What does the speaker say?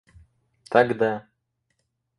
тогда